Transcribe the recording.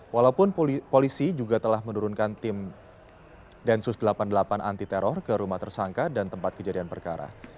walaupun polisi juga telah menurunkan tim densus delapan puluh delapan anti teror ke rumah tersangka dan tempat kejadian perkara